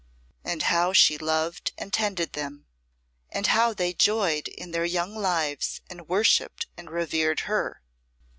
And how she loved and tended them, and how they joyed in their young lives and worshipped and revered her!